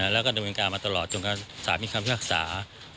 และก็ดำเนินการมาตลอดจนการศาลมีความพยาศา